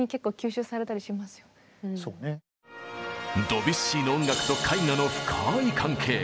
ドビュッシーの音楽と絵画の深い関係。